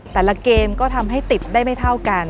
แต่ละเกมก็ทำให้ติดได้ไม่เท่ากัน